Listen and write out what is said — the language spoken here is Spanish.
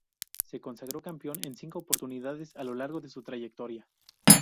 Se consagró campeón en cinco oportunidades a lo largo de su trayectoria.